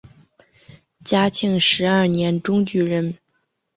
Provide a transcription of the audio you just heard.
嘉庆十二年中举人。